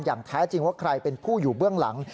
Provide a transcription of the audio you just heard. อย่างแท้จริงว่าใครเป็นผู้อยู่เบื้องหลัง